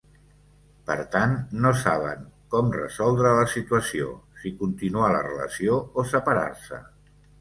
Per tant no saben com resoldre la situació, si continuar la relació o separar-se.